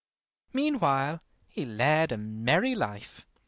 Meanwhile he led a merry life.